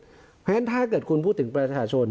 เพราะฉะนั้นถ้าเกิดคุณพูดถึงประชาชน